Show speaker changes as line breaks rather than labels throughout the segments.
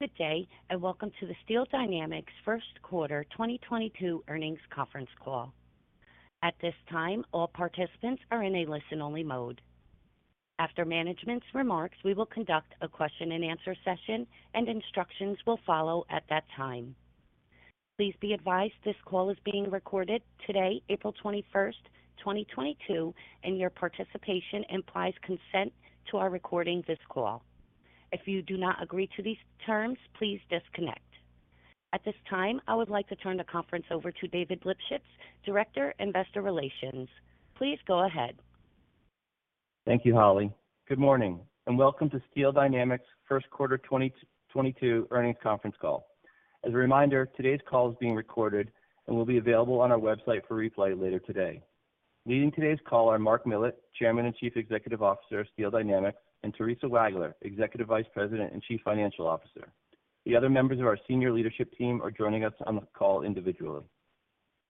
Good day, and welcome to the Steel Dynamics Q1 2022 Earnings Conference Call. At this time, all participants are in a listen-only mode. After management's remarks, we will conduct a question-and-answer session, and instructions will follow at that time. Please be advised this call is being recorded today, April 21st, 2022, and your participation implies consent to our recording this call. If you do not agree to these terms, please disconnect. At this time, I would like to turn the conference over to David Lipschitz, Director, Investor Relations. Please go ahead.
Thank you, Holly. Good morning, and welcome to Steel Dynamics Q1 2022 Earnings Conference Call. As a reminder, today's call is being recorded and will be available on our website for replay later today. Leading today's call are Mark Millett, Chairman and Chief Executive Officer of Steel Dynamics, and Theresa Wagler, Executive Vice President and Chief Financial Officer. The other members of our senior leadership team are joining us on the call individually.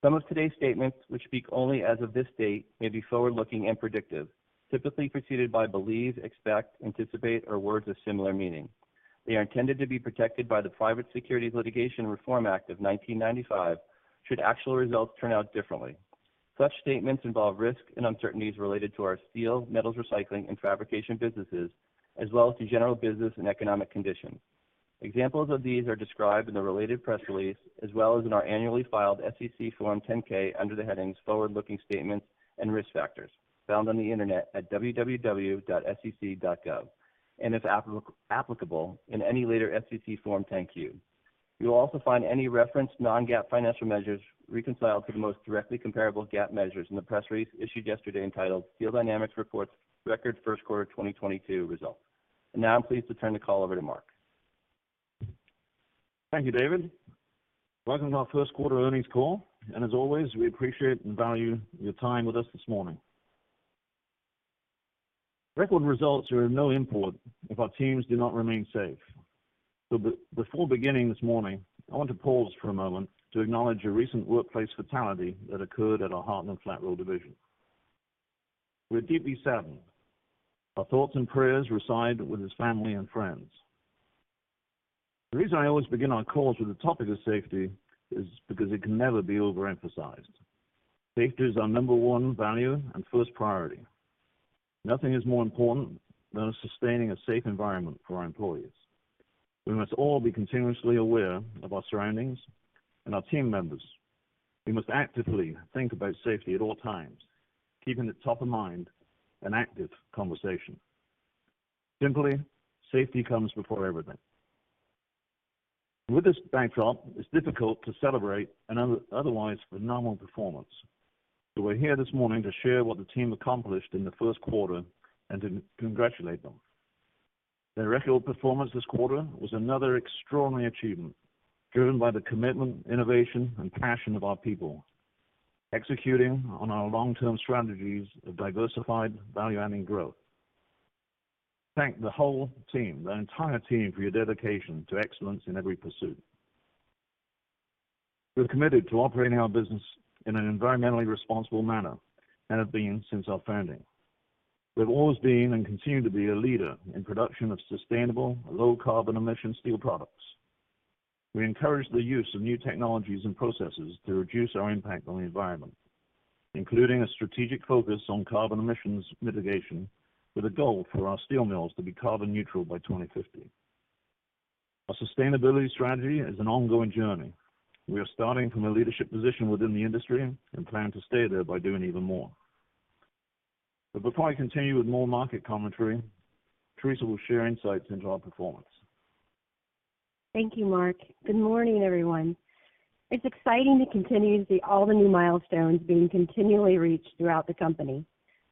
Some of today's statements, which speak only as of this date, may be forward-looking and predictive, typically preceded by believe, expect, anticipate, or words of similar meaning. They are intended to be protected by the Private Securities Litigation Reform Act of 1995 should actual results turn out differently. Such statements involve risks and uncertainties related to our steel, metals recycling, and fabrication businesses, as well as the general business and economic conditions. Examples of these are described in the related press release, as well as in our annually filed SEC Form 10-K under the headings Forward-Looking Statements and Risk Factors, found on the Internet at sec.gov, and if applicable, in any later SEC Form 10-Q. You'll also find any referenced non-GAAP financial measures reconciled to the most directly comparable GAAP measures in the press release issued yesterday entitled Steel Dynamics Reports Record Q1 2022 Results. Now I'm pleased to turn the call over to Mark.
Thank you, David. Welcome to our Q1 earnings call, and as always, we appreciate and value your time with us this morning. Record results are of no import if our teams do not remain safe. Before beginning this morning, I want to pause for a moment to acknowledge a recent workplace fatality that occurred at our Heartland Flat Roll Division. We're deeply saddened. Our thoughts and prayers reside with his family and friends. The reason I always begin our calls with the topic of safety is because it can never be overemphasized. Safety is our number one value and first priority. Nothing is more important than sustaining a safe environment for our employees. We must all be continuously aware of our surroundings and our team members. We must actively think about safety at all times, keeping it top of mind, an active conversation. Simply, safety comes before everything. With this backdrop, it's difficult to celebrate an otherwise phenomenal performance. We're here this morning to share what the team accomplished in the Q1 and to congratulate them. Their record performance this quarter was another extraordinary achievement driven by the commitment, innovation, and passion of our people, executing on our long-term strategies of diversified value-adding growth. Thank the whole team, the entire team for your dedication to excellence in every pursuit. We're committed to operating our business in an environmentally responsible manner and have been since our founding. We've always been and continue to be a leader in production of sustainable, low carbon emission steel products. We encourage the use of new technologies and processes to reduce our impact on the environment, including a strategic focus on carbon emissions mitigation with a goal for our steel mills to be carbon neutral by 2050. Our sustainability strategy is an ongoing journey. We are starting from a leadership position within the industry and plan to stay there by doing even more. Before I continue with more market commentary, Theresa will share insights into our performance.
Thank you, Mark. Good morning, everyone. It's exciting to continue to see all the new milestones being continually reached throughout the company.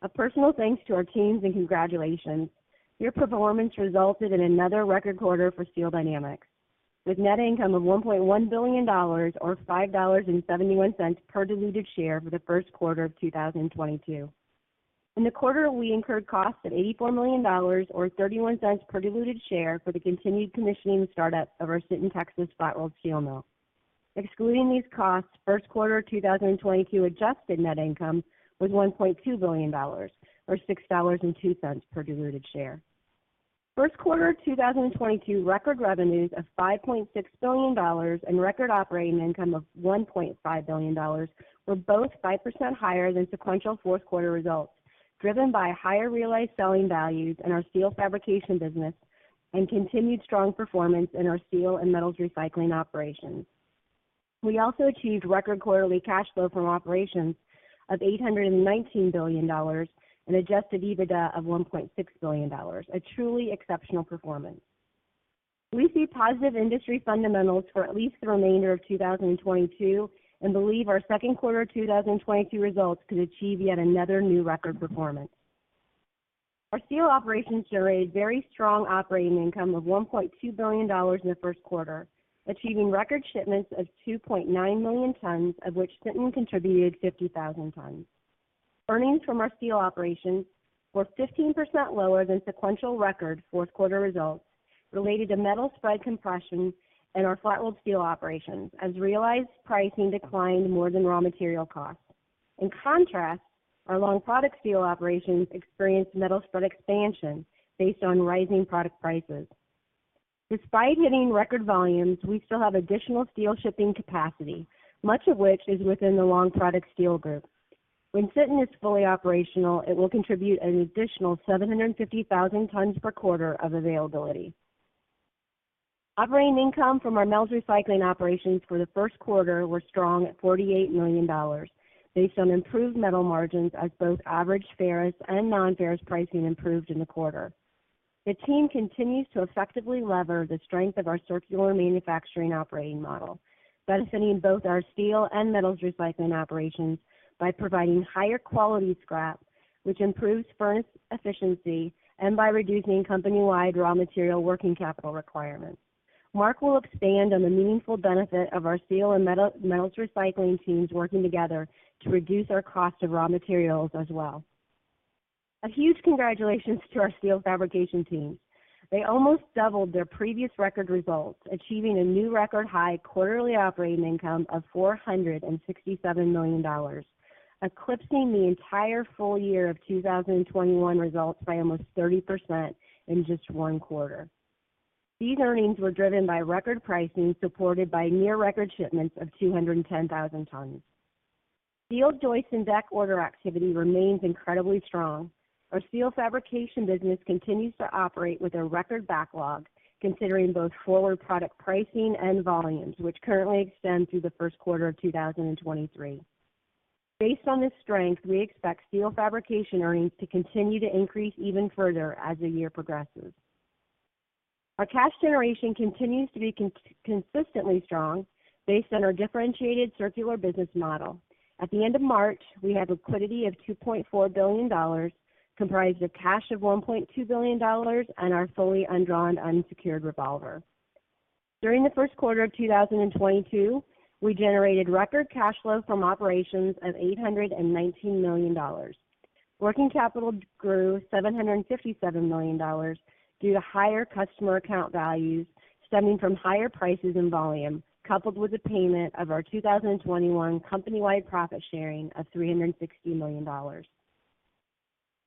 A personal thanks to our teams, and congratulations. Your performance resulted in another record quarter for Steel Dynamics, with net income of $1.1 billion or $5.71 per diluted share for the Q1 of 2022. In the quarter, we incurred costs of $84 million or $0.31 per diluted share for the continued commissioning and start-up of our Sinton, Texas, flat-rolled steel mill. Excluding these costs, Q1 2022 adjusted net income was $1.2 billion or $6.02 per diluted share. Q1 2022 record revenues of $5.6 billion and record operating income of $1.5 billion were both 5% higher than sequential Q4 results, driven by higher realized selling values in our steel fabrication business and continued strong performance in our steel and metals recycling operations. We also achieved record quarterly cash flow from operations of $819 million and adjusted EBITDA of $1.6 billion, a truly exceptional performance. We see positive industry fundamentals for at least the remainder of 2022 and believe our Q2 2022 results could achieve yet another new record performance. Our steel operations generated very strong operating income of $1.2 billion in the Q1, achieving record shipments of 2.9 million tons, of which Sinton contributed 50,000 tons. Earnings from our steel operations were 15% lower than sequential record Q4 results related to metal spread compression in our flat-rolled steel operations, as realized pricing declined more than raw material costs. In contrast, our long product steel operations experienced metal spread expansion based on rising product prices. Despite hitting record volumes, we still have additional steel shipping capacity, much of which is within the long product steel group. When Sinton is fully operational, it will contribute an additional 750,000 tons per quarter of availability. Operating income from our metals recycling operations for the Q1 were strong at $48 million based on improved metal margins as both average ferrous and non-ferrous pricing improved in the quarter. The team continues to effectively lever the strength of our circular manufacturing operating model, benefiting both our steel and metals recycling operations by providing higher quality scrap, which improves furnace efficiency and by reducing company-wide raw material working capital requirements. Mark will expand on the meaningful benefit of our steel and metals recycling teams working together to reduce our cost of raw materials as well. A huge congratulations to our steel fabrication team. They almost doubled their previous record results, achieving a new record high quarterly operating income of $467 million, eclipsing the entire full year of 2021 results by almost 30% in just one quarter. These earnings were driven by record pricing, supported by near record shipments of 210,000 tons. Steel joists and deck order activity remains incredibly strong. Our steel fabrication business continues to operate with a record backlog, considering both forward product pricing and volumes, which currently extend through the Q1 of 2023. Based on this strength, we expect steel fabrication earnings to continue to increase even further as the year progresses. Our cash generation continues to be consistently strong based on our differentiated circular business model. At the end of March, we had liquidity of $2.4 billion, comprised of cash of $1.2 billion and our fully undrawn unsecured revolver. During the Q1 of 2022, we generated record cash flow from operations of $819 million. Working capital grew $757 million due to higher customer account values stemming from higher prices and volume, coupled with the payment of our 2021 company-wide profit sharing of $360 million.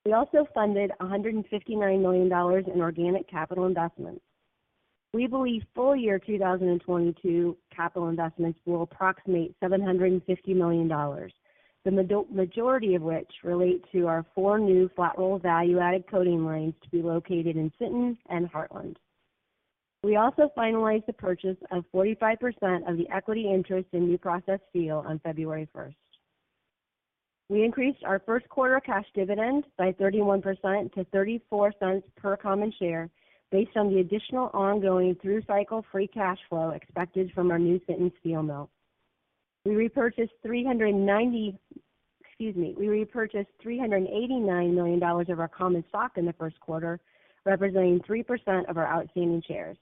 We also funded $159 million in organic capital investments. We believe full-year 2022 capital investments will approximate $750 million, the majority of which relate to our four new Flat Roll value-added coating lines to be located in Sinton and Heartland. We also finalized the purchase of 45% of the equity interest in New Process Steel on February first. We increased our Q1 cash dividend by 31% to $0.34 per common share based on the additional ongoing through-cycle free cash flow expected from our new Sinton Steel Mill. We repurchased $389 million of our common stock in the Q1, representing 3% of our outstanding shares.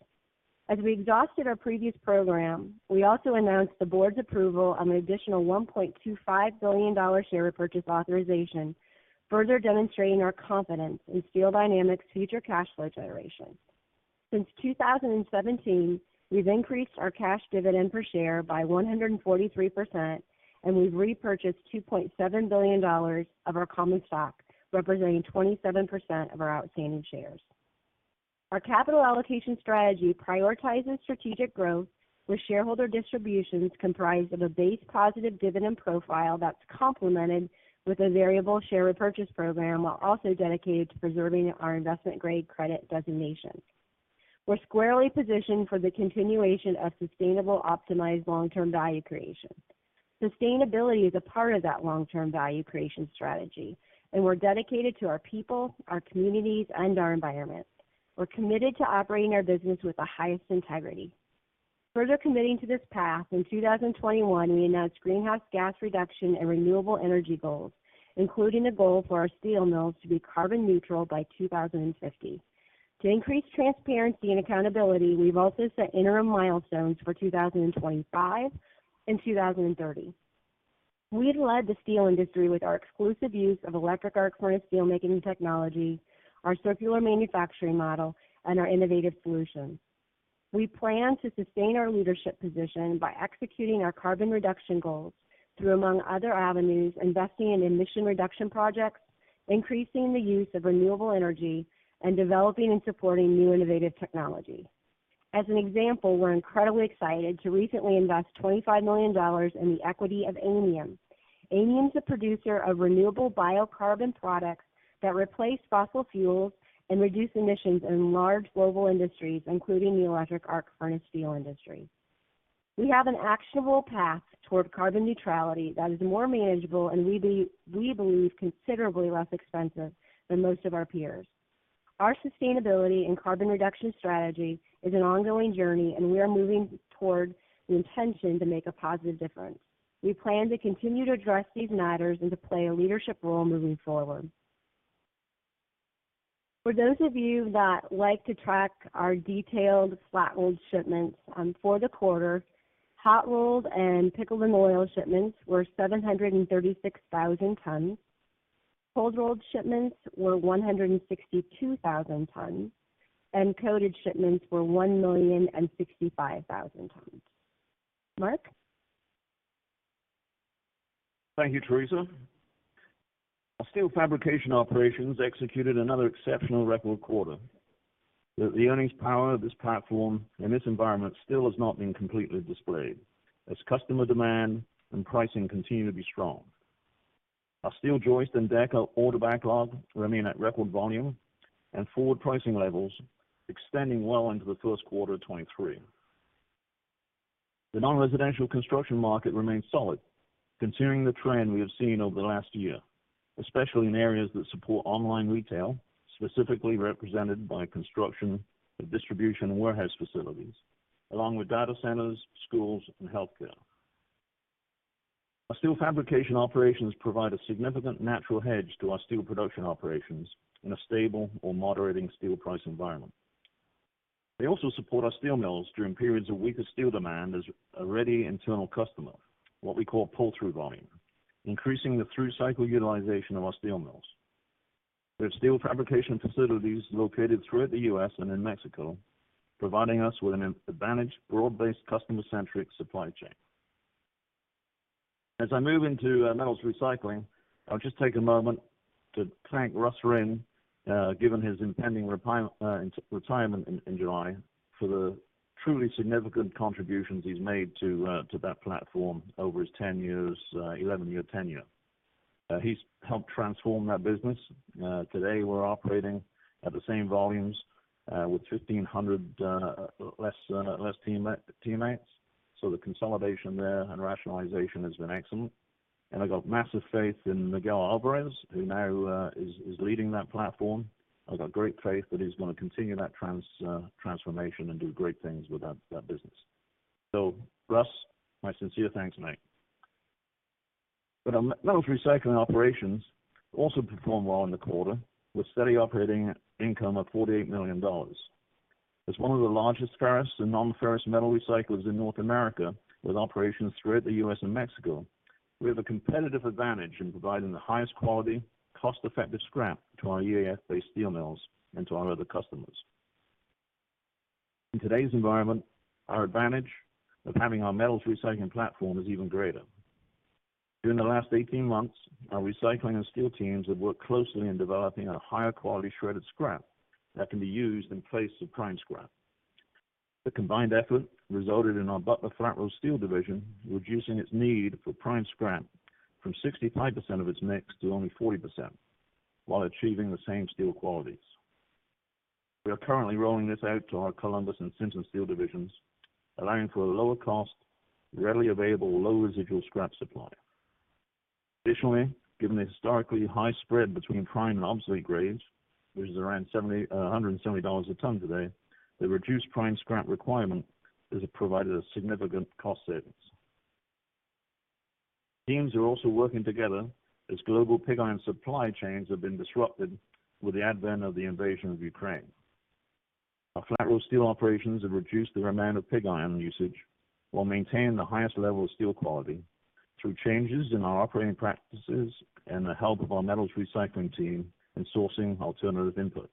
As we exhausted our previous program, we also announced the board's approval on an additional $1.25 billion share repurchase authorization, further demonstrating our confidence in Steel Dynamics' future cash flow generation. Since 2017, we've increased our cash dividend per share by 143%, and we've repurchased $2.7 billion of our common stock, representing 27% of our outstanding shares. Our capital allocation strategy prioritizes strategic growth with shareholder distributions comprised of a base positive dividend profile that's complemented with a variable share repurchase program while also dedicated to preserving our investment-grade credit designation. We're squarely positioned for the continuation of sustainable, optimized long-term value creation. Sustainability is a part of that long-term value creation strategy, and we're dedicated to our people, our communities, and our environment. We're committed to operating our business with the highest integrity. Further committing to this path, in 2021, we announced greenhouse gas reduction and renewable energy goals, including a goal for our steel mills to be carbon neutral by 2050. To increase transparency and accountability, we've also set interim milestones for 2025 and 2030. We've led the steel industry with our exclusive use of electric arc furnace steelmaking technology, our circular manufacturing model, and our innovative solutions. We plan to sustain our leadership position by executing our carbon reduction goals through, among other avenues, investing in emission reduction projects, increasing the use of renewable energy, and developing and supporting new innovative technology. As an example, we're incredibly excited to recently invest $25 million in the equity of Aymium. Aymium's a producer of renewable biocarbon products that replace fossil fuels and reduce emissions in large global industries, including the electric arc furnace steel industry. We have an actionable path toward carbon neutrality that is more manageable and we believe, considerably less expensive than most of our peers. Our sustainability and carbon reduction strategy is an ongoing journey, and we are moving toward the intention to make a positive difference. We plan to continue to address these matters and to play a leadership role moving forward. For those of you that like to track our detailed flat-rolled shipments, for the quarter, hot-rolled and pickled and oiled shipments were 736,000 tons. Cold rolled shipments were 162,000 tons, and coated shipments were 1,065,000 tons. Mark?
Thank you, Theresa. Our steel fabrication operations executed another exceptional record quarter. The earnings power of this platform in this environment still has not been completely displayed as customer demand and pricing continue to be strong. Our steel joist and deck order backlog remain at record volume and forward pricing levels, extending well into the Q1 of 2023. The non-residential construction market remains solid, continuing the trend we have seen over the last year, especially in areas that support online retail, specifically represented by construction of distribution warehouse facilities, along with data centers, schools, and healthcare. Our steel fabrication operations provide a significant natural hedge to our steel production operations in a stable or moderating steel price environment. They also support our steel mills during periods of weaker steel demand as a ready internal customer, what we call pull-through volume, increasing the through-cycle utilization of our steel mills. There are steel fabrication facilities located throughout the U.S. and in Mexico, providing us with an advantage, broad-based customer-centric supply chain. As I move into metals recycling, I'll just take a moment to thank Russ Rinn, given his impending retirement in July, for the truly significant contributions he's made to that platform over his ten years, eleven-year tenure. He's helped transform that business. Today, we're operating at the same volumes with 1,500 less teammates. The consolidation there and rationalization has been excellent. I've got massive faith in Miguel Alvarez, who now is leading that platform. I've got great faith that he's gonna continue that transformation and do great things with that business. Russ, my sincere thanks, mate. Our metals recycling operations also performed well in the quarter with steady operating income of $48 million. As one of the largest ferrous and non-ferrous metal recyclers in North America with operations throughout the U.S. and Mexico, we have a competitive advantage in providing the highest quality, cost-effective scrap to our EAF-based steel mills and to our other customers. In today's environment, our advantage of having our metals recycling platform is even greater. During the last 18 months, our recycling and steel teams have worked closely in developing a higher quality shredded scrap that can be used in place of prime scrap. The combined effort resulted in our Butler Flat Roll Division reducing its need for prime scrap from 65% of its mix to only 40% while achieving the same steel qualities. We are currently rolling this out to our Columbus and Sinton Steel divisions, allowing for a lower cost, readily available, low residual scrap supply. Additionally, given the historically high spread between prime and obsolete grades, which is around 70, 170 dollars a ton today, the reduced prime scrap requirement has provided a significant cost savings. Teams are also working together as global pig iron supply chains have been disrupted with the advent of the invasion of Ukraine. Our Flat Roll Steel operations have reduced their amount of pig iron usage while maintaining the highest level of steel quality through changes in our operating practices and the help of our metals recycling team in sourcing alternative inputs.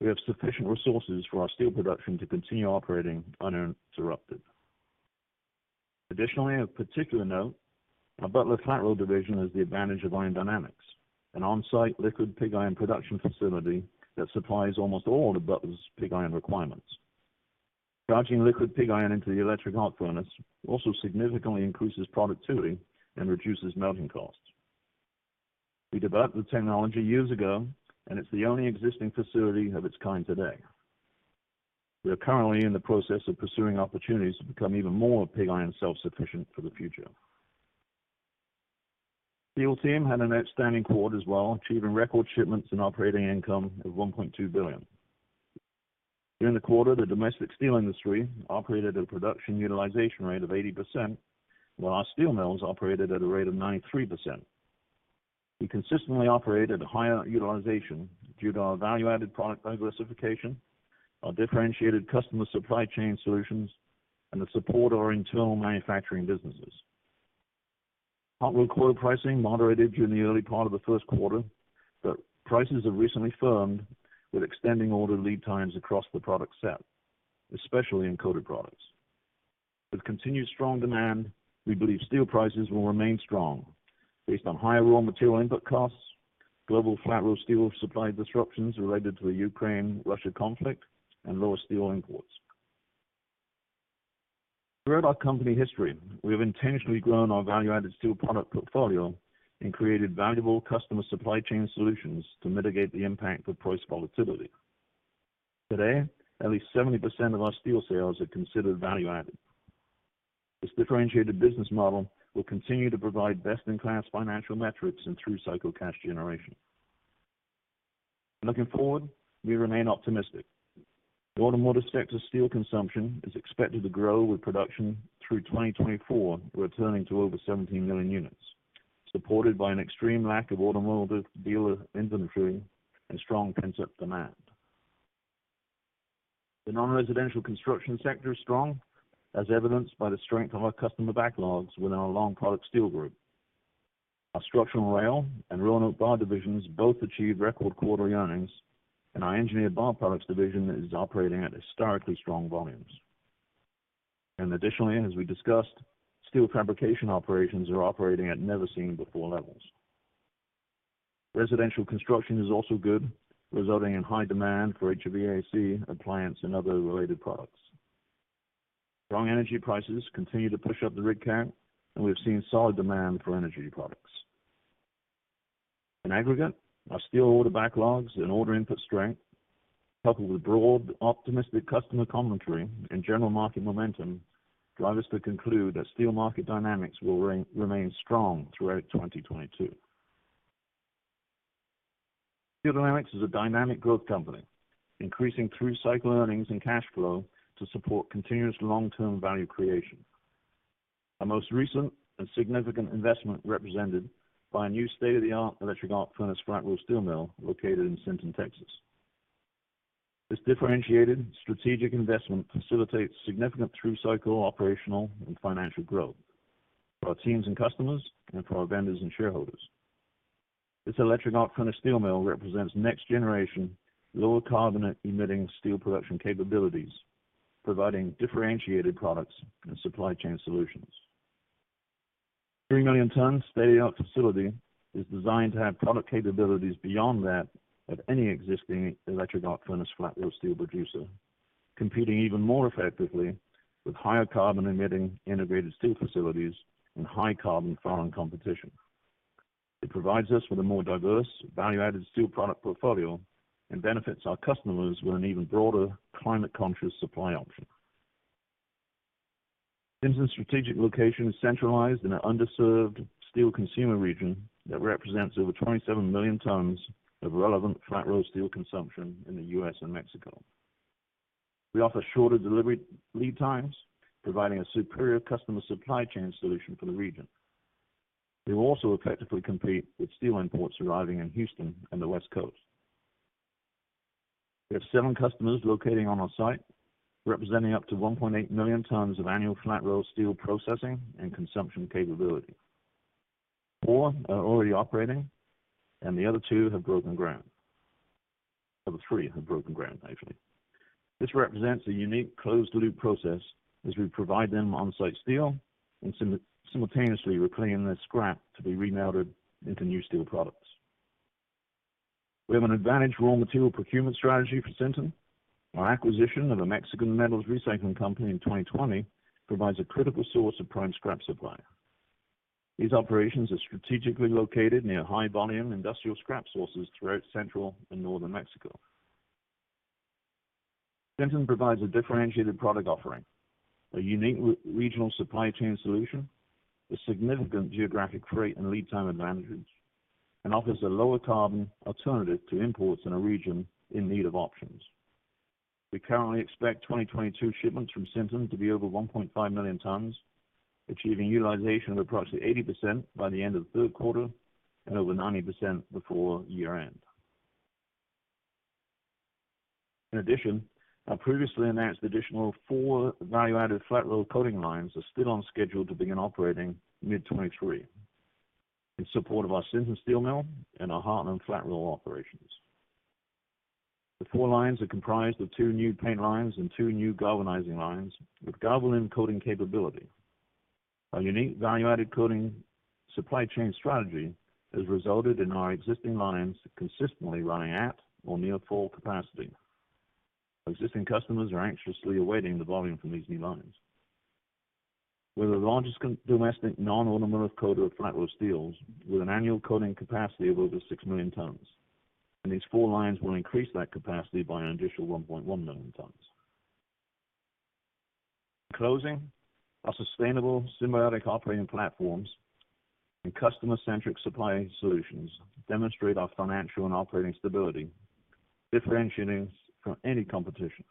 We have sufficient resources for our steel production to continue operating uninterrupted. Additionally, of particular note, our Butler Flat Roll Division has the advantage of Iron Dynamics, an on-site liquid pig iron production facility that supplies almost all of Butler's pig iron requirements. Charging liquid pig iron into the electric arc furnace also significantly increases productivity and reduces melting costs. We developed the technology years ago, and it's the only existing facility of its kind today. We are currently in the process of pursuing opportunities to become even more pig iron self-sufficient for the future. Steel team had an outstanding quarter as well, achieving record shipments and operating income of $1.2 billion. During the quarter, the domestic steel industry operated at a production utilization rate of 80%, while our steel mills operated at a rate of 93%. We consistently operate at a higher utilization due to our value-added product diversification, our differentiated customer supply chain solutions, and the support of our internal manufacturing businesses. Hot-rolled coil pricing moderated during the early part of the Q1, but prices have recently firmed with extending order lead times across the product set, especially in coated products. With continued strong demand, we believe steel prices will remain strong based on higher raw material input costs, global flat-rolled steel supply disruptions related to the Ukraine-Russia conflict, and lower steel imports. Throughout our company history, we have intentionally grown our value-added steel product portfolio and created valuable customer supply chain solutions to mitigate the impact of price volatility. Today, at least 70% of our steel sales are considered value-added. This differentiated business model will continue to provide best-in-class financial metrics and through-cycle cash generation. Looking forward, we remain optimistic. The automotive sector steel consumption is expected to grow with production through 2024, returning to over 17 million units, supported by an extreme lack of automotive dealer inventory and strong pent-up demand. The non-residential construction sector is strong, as evidenced by the strength of our customer backlogs within our long product steel group. Our structural rail and railroad bar divisions both achieved record quarterly earnings, and our engineered bar products division is operating at historically strong volumes. Additionally, as we discussed, steel fabrication operations are operating at never seen before levels. Residential construction is also good, resulting in high demand for HVAC, appliance, and other related products. Strong energy prices continue to push up the rig count, and we have seen solid demand for energy products. In aggregate, our steel order backlogs and order input strength, coupled with broad optimistic customer commentary and general market momentum, drive us to conclude that steel market dynamics will remain strong throughout 2022. Steel Dynamics is a dynamic growth company, increasing through cycle earnings and cash flow to support continuous long-term value creation. Our most recent and significant investment, represented by a new state-of-the-art electric arc furnace flat-rolled steel mill located in Sinton, Texas. This differentiated strategic investment facilitates significant through cycle operational and financial growth for our teams and customers and for our vendors and shareholders. This electric arc furnace steel mill represents next generation lower carbon emitting steel production capabilities, providing differentiated products and supply chain solutions. 3 million-ton state-of-the-art facility is designed to have product capabilities beyond that of any existing electric arc furnace flat-rolled steel producer, competing even more effectively with higher-carbon-emitting integrated steel facilities and high-carbon foreign competition. It provides us with a more diverse value-added steel product portfolio and benefits our customers with an even broader climate-conscious supply option. Sinton's strategic location is centralized in an underserved steel consumer region that represents over 27 million tons of relevant flat-rolled steel consumption in the U.S. and Mexico. We offer shorter delivery lead times, providing a superior customer supply chain solution for the region. We will also effectively compete with steel imports arriving in Houston and the West Coast. We have seven customers locating on our site, representing up to 1.8 million tons of annual flat-rolled steel processing and consumption capability. Four are already operating and the other two have broken ground. Or three have broken ground, actually. This represents a unique closed loop process as we provide them on-site steel and simultaneously reclaim their scrap to be remelted into new steel products. We have an advantaged raw material procurement strategy for Sinton. Our acquisition of a Mexican metals recycling company in 2020 provides a critical source of prime scrap supply. These operations are strategically located near high-volume industrial scrap sources throughout Central and Northern Mexico. Sinton provides a differentiated product offering, a unique regional supply chain solution, a significant geographic freight and lead time advantages, and offers a lower carbon alternative to imports in a region in need of options. We currently expect 2022 shipments from Sinton to be over 1.5 million tons, achieving utilization of approximately 80% by the end of the Q3 and over 90% before year-end. In addition, our previously announced additional four value-added flat-rolled coating lines are still on schedule to begin operating mid-2023 in support of our Sinton steel mill and our Heartland flat-roll operations. The four lines are comprised of two new paint lines and two new galvanizing lines with Galvalume coating capability. Our unique value-added coating supply chain strategy has resulted in our existing lines consistently running at or near full capacity. Existing customers are anxiously awaiting the volume from these new lines. We're the largest domestic non-automotive coater of flat-rolled steels with an annual coating capacity of over 6 million tons. These four lines will increase that capacity by an additional 1.1 million tons. In closing, our sustainable symbiotic operating platforms and customer-centric supply solutions demonstrate our financial and operating stability, differentiating us from any competition.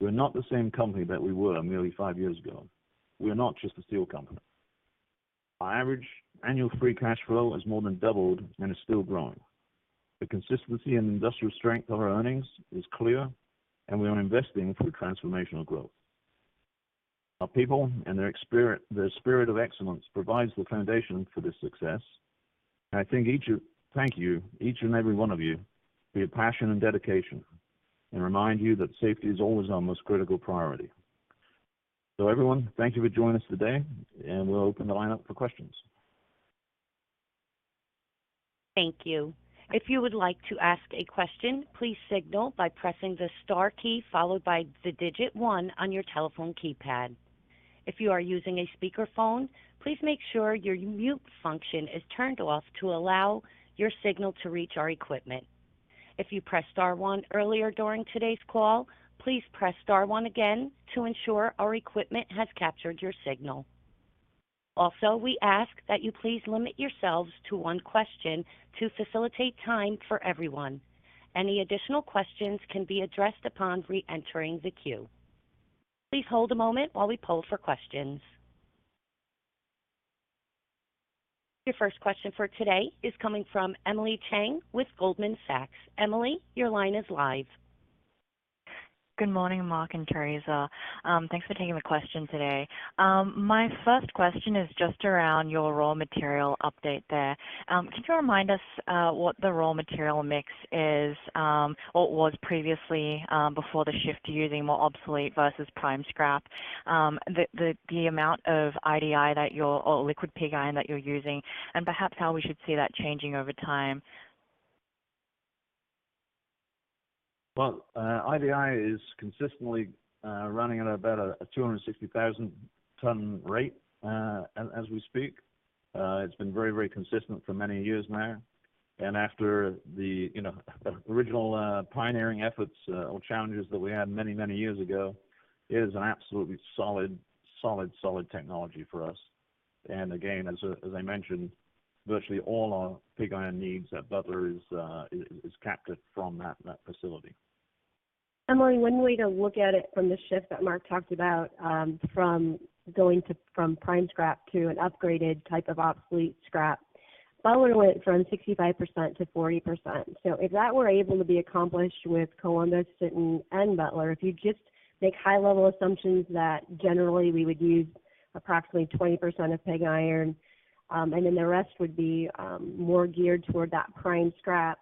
We're not the same company that we were nearly five years ago. We are not just a steel company. Our average annual free cash flow has more than doubled and is still growing. The consistency and industrial strength of our earnings is clear, and we are investing for transformational growth. Our people and their spirit of excellence provides the foundation for this success. Thank you each and every one of you for your passion and dedication, and remind you that safety is always our most critical priority. Everyone, thank you for joining us today, and we'll open the line up for questions.
Thank you. If you would like to ask a question, please signal by pressing the star key followed by the digit one on your telephone keypad. If you are using a speakerphone, please make sure your mute function is turned off to allow your signal to reach our equipment. If you pressed star one earlier during today's call, please press star one again to ensure our equipment has captured your signal. Also, we ask that you please limit yourselves to one question to facilitate time for everyone. Any additional questions can be addressed upon reentering the queue. Please hold a moment while we poll for questions. Your first question for today is coming from Emily Chieng with Goldman Sachs. Emily, your line is live.
Good morning, Mark and Theresa. Thanks for taking my question today. My first question is just around your raw material update there. Can you remind us what the raw material mix is or was previously before the shift to using more obsolete versus prime scrap, the amount of IDI or liquid pig iron that you're using, and perhaps how we should see that changing over time?
Well, IDI is consistently running at about a 260,000-ton rate, as we speak. It's been very consistent for many years now. After the, you know, the original pioneering efforts or challenges that we had many years ago, it is an absolutely solid technology for us. Again, as I mentioned, virtually all our pig iron needs at Butler is captured from that facility.
Emily, one way to look at it from the shift that Mark talked about, from prime scrap to an upgraded type of obsolete scrap. Butler went from 65% to 40%. If that were able to be accomplished with Columbus, Sinton, and Butler, if you just make high-level assumptions that generally we would use approximately 20% of pig iron, and then the rest would be more geared toward that prime scrap.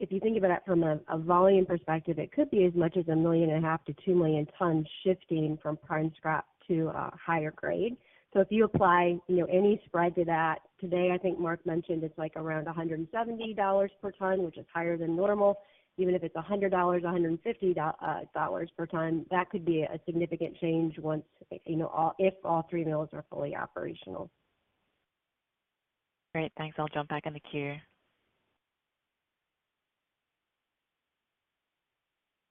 If you think about it from a volume perspective, it could be as much as 1.5 million-2 million tons shifting from prime scrap to a higher grade. If you apply, you know, any spread to that today, I think Mark mentioned it's like around $170 per ton, which is higher than normal, even if it's $100, $150 per ton, that could be a significant change once, you know, if all three mills are fully operational.
Great. Thanks. I'll jump back in the queue.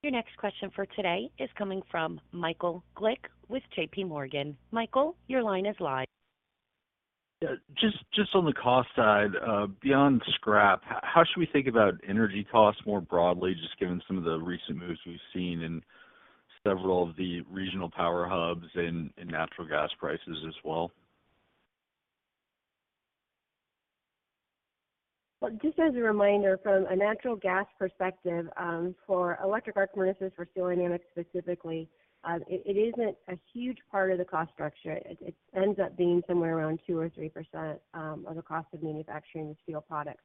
Your next question for today is coming from Michael Glick with JPMorgan. Michael, your line is live.
Yeah. Just on the cost side, beyond scrap, how should we think about energy costs more broadly, just given some of the recent moves we've seen in several of the regional power hubs and in natural gas prices as well?
Well, just as a reminder, from a natural gas perspective, for electric arc furnaces, for Steel Dynamics specifically, it isn't a huge part of the cost structure. It ends up being somewhere around 2% or 3% of the cost of manufacturing the steel products.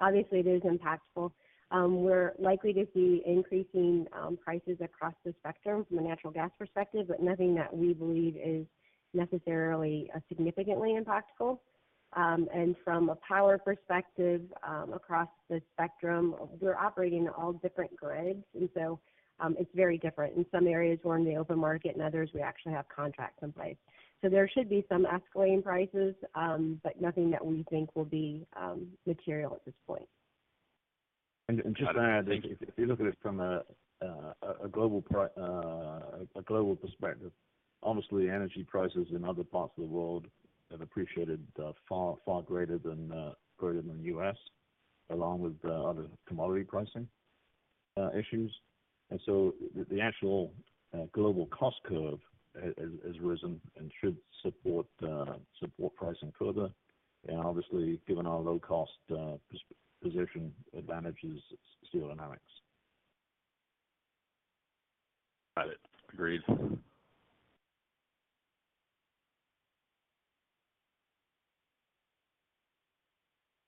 Obviously, it is impactful. We're likely to see increasing prices across the spectrum from a natural gas perspective, but nothing that we believe is necessarily significantly impactful. From a power perspective, across the spectrum, we're operating all different grids. It's very different. In some areas, we're in the open market, and others, we actually have contracts in place. There should be some escalating prices, but nothing that we think will be material at this point.
Just to add, if you look at it from a global perspective, obviously, energy prices in other parts of the world have appreciated far greater than U.S., along with other commodity pricing issues. So the actual global cost curve has risen and should support pricing further. Obviously, given our low cost position advantages Steel Dynamics.
Got it. Agreed.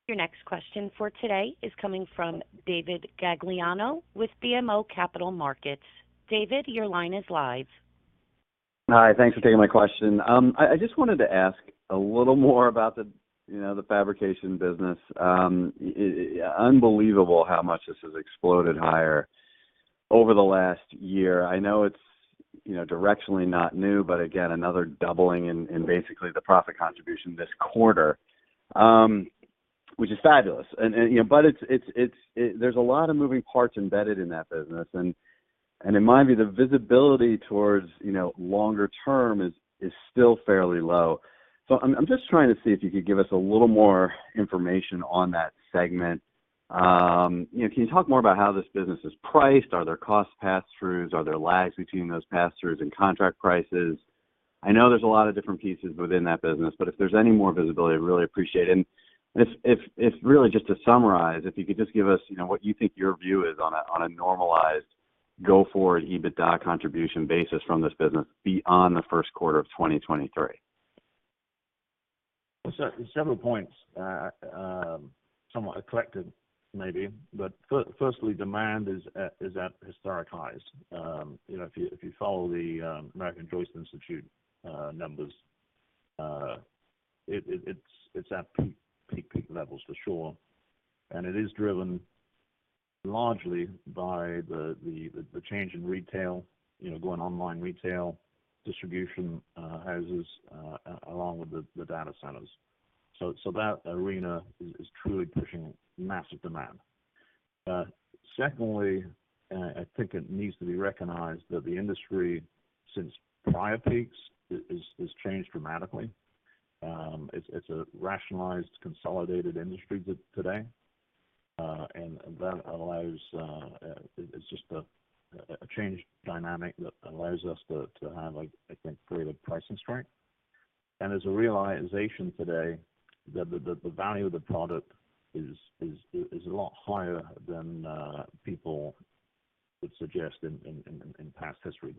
Your next question for today is coming from David Gagliano with BMO Capital Markets. David, your line is live.
Hi, thanks for taking my question. I just wanted to ask a little more about the, you know, the fabrication business. Unbelievable how much this has exploded higher over the last year. I know it's, you know, directionally not new, but again, another doubling in basically the profit contribution this quarter, which is fabulous. You know, but there's a lot of moving parts embedded in that business. It might be the visibility towards, you know, longer term is still fairly low. I'm just trying to see if you could give us a little more information on that segment. You know, can you talk more about how this business is priced? Are there cost pass-throughs? Are there lags between those pass-throughs and contract prices? I know there's a lot of different pieces within that business, but if there's any more visibility, I really appreciate it. If really just to summarize, if you could just give us, you know, what you think your view is on a normalized go forward EBITDA contribution basis from this business beyond the Q1 of 2023.
Several points, somewhat eclectic maybe. Firstly, demand is at historic highs. You know, if you follow the Steel Joist Institute numbers, it's at peak levels for sure. It is driven largely by the change in retail, you know, going online retail, distribution houses, along with the data centers. That arena is truly pushing massive demand. Secondly, I think it needs to be recognized that the industry, since prior peaks, has changed dramatically. It's a rationalized, consolidated industry today. That allows it. It's just a changed dynamic that allows us to have a, I think, greater pricing strength. There's a realization today that the value of the product is a lot higher than people would suggest in past history.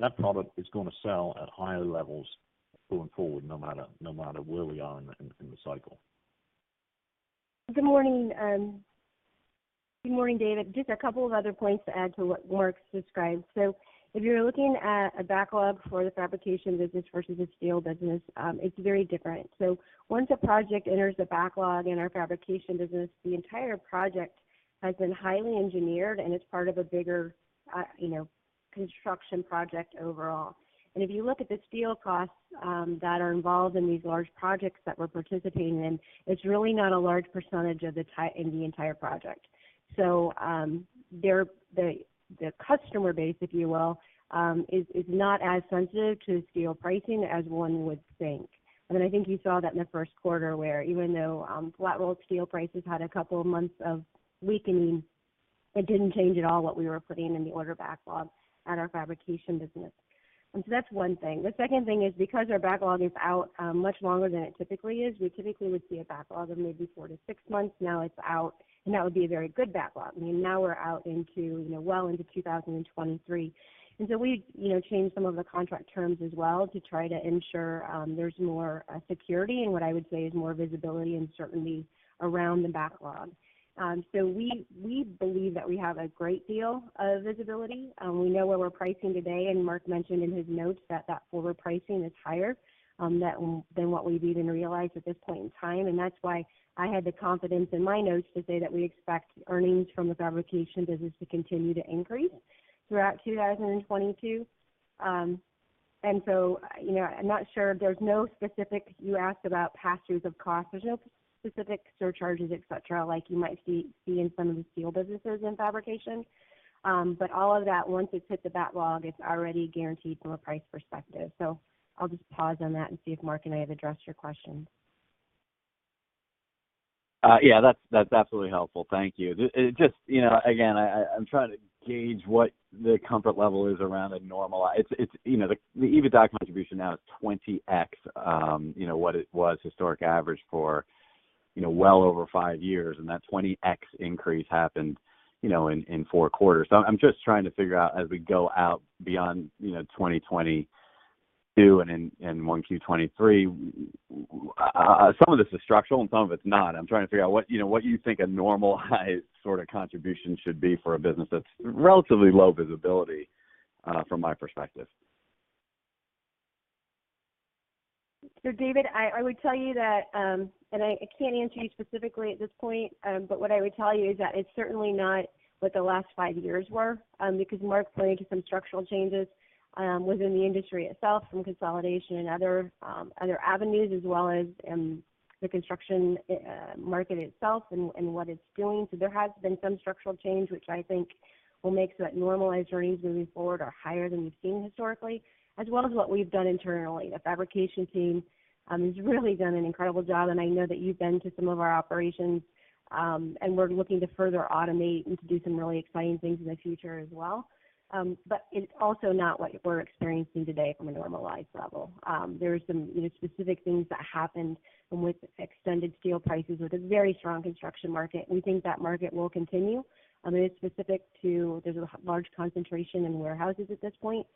That product is gonna sell at higher levels going forward, no matter where we are in the cycle.
Good morning. Good morning, David. Just a couple of other points to add to what Mark described. If you're looking at a backlog for the fabrication business versus a steel business, it's very different. Once a project enters the backlog in our fabrication business, the entire project has been highly engineered, and it's part of a bigger, you know, construction project overall. If you look at the steel costs that are involved in these large projects that we're participating in, it's really not a large percentage of the total in the entire project. The customer base, if you will, is not as sensitive to steel pricing as one would think. I think you saw that in the Q1 where even though Flat Roll Steel prices had a couple of months of weakening, it didn't change at all what we were putting in the order backlog at our fabrication business. That's one thing. The second thing is because our backlog is out much longer than it typically is. We typically would see a backlog of maybe 4-6 months. Now it's out, and that would be a very good backlog. I mean, now we're out into, you know, well into 2023. We, you know, changed some of the contract terms as well to try to ensure there's more security and what I would say is more visibility and certainty around the backlog. We believe that we have a great deal of visibility. We know where we're pricing today, and Mark mentioned in his notes that that forward pricing is higher than what we've even realized at this point in time. That's why I had the confidence in my notes to say that we expect earnings from the fabrication business to continue to increase throughout 2022. You know, I'm not sure. You asked about pass-throughs of cost. There's no specific surcharges, et cetera, like you might see in some of the steel businesses in fabrication. All of that, once it's hit the backlog, it's already guaranteed from a price perspective. I'll just pause on that and see if Mark and I have addressed your question.
Yeah, that's absolutely helpful. Thank you. It just, you know, again, I'm trying to gauge what the comfort level is around a normalized. It's you know, the EBITDA contribution now is 20x what it was historic average for, you know, well over five years, and that 20x increase happened, you know, in 4 quarters. I'm just trying to figure out as we go out beyond, you know, 2022 and 1Q 2023, some of this is structural and some of it's not. I'm trying to figure out what, you know, what you think a normalized sort of contribution should be for a business that's relatively low visibility from my perspective.
David, I would tell you that I can't answer you specifically at this point. But what I would tell you is that it's certainly not what the last five years were, because Mark pointed to some structural changes within the industry itself from consolidation and other avenues as well as the construction market itself and what it's doing. There has been some structural change, which I think will make that normalized earnings moving forward are higher than we've seen historically, as well as what we've done internally. The fabrication team has really done an incredible job, and I know that you've been to some of our operations. We're looking to further automate and to do some really exciting things in the future as well. It's also not what we're experiencing today from a normalized level. There are some, you know, specific things that happened with extended steel prices with a very strong construction market. We think that market will continue. I mean, it's specific to there's a large concentration in warehouses at this point.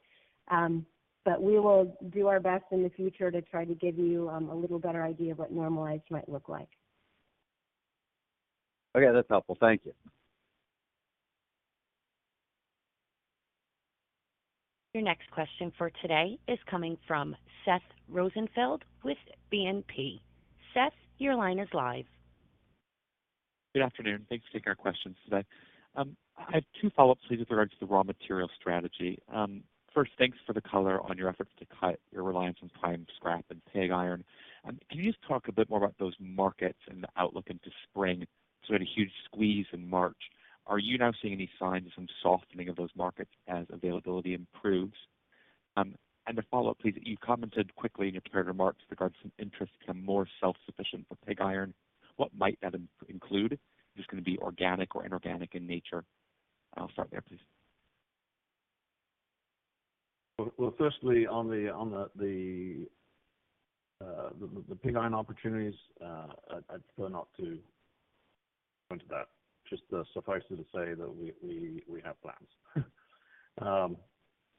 We will do our best in the future to try to give you a little better idea of what normalized might look like.
Okay, that's helpful. Thank you.
Your next question for today is coming from Seth Rosenfeld with BNP. Seth, your line is live.
Good afternoon. Thanks for taking our questions today. I have two follow-ups, please, with regards to the raw material strategy. First, thanks for the color on your efforts to cut your reliance on prime scrap and pig iron. Can you just talk a bit more about those markets and the outlook into spring? We had a huge squeeze in March. Are you now seeing any signs of some softening of those markets as availability improves? To follow up, please, you commented quickly in your prepared remarks with regards to interest to become more self-sufficient for pig iron. What might that include? Is this gonna be organic or inorganic in nature? I'll start there, please.
Well, firstly, on the pig iron opportunities, I'd prefer not to go into that. Just suffice it to say that we have plans.